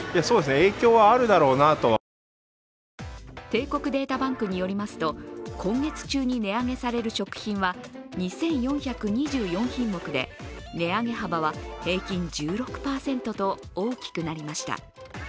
帝国データバンクによりますと、今月中に値上げされる食品は２４２４品目で値上げ幅は平均１６％と大きくなりました。